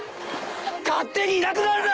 勝手にいなくなるな！